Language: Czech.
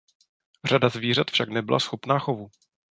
Řada zvířat však nebyla schopná chovu.